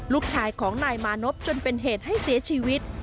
ลูกชายของนายมานพจนเป็นเหตุให้เสียชีวิต